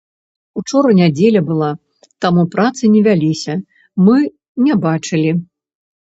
Учора нядзеля была, таму працы не вяліся, мы не бачылі.